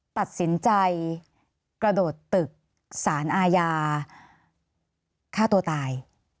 ตัดสินใจกระโดดตึกสารอาญาฆ่าตัวตาย